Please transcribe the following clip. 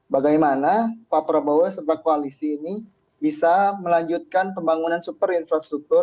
bagaimana pak prabowo serta koalisi ini bisa melanjutkan pembangunan superinfrastruktur